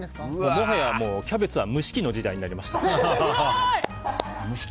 もはやキャベツは蒸し器の時代になりました。